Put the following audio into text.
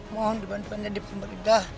mohon bantuan dari pemerintah